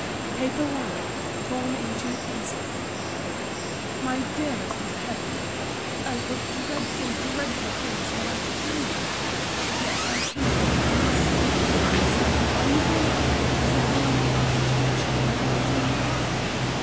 PAPER I (Torn in two pieces.) MY DEAREST MISS HOWE, O what dreadful, dreadful things have I to tell you! But yet I cannot tell you neither. But say, are you really ill, as a vile, vile creature informs me you are?